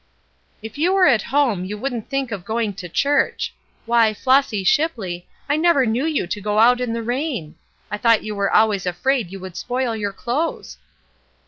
"If you were at home you wouldn't think of going to church. Why, Flossy Shipley, I never knew you to go out in the rain! I thought you were always afraid you would spoil your clothes."